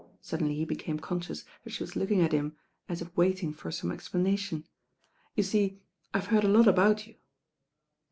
*' Suddenly he beca^ co». Kioui that the wai looking at him ai if w3tg for tome explanation. "You tee IVe heard a lot about you."